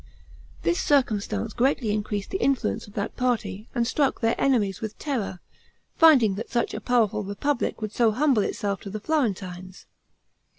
This circumstance greatly increased the influence of that party, and struck their enemies with terror, finding that such a powerful republic would so humble itself to the Florentines.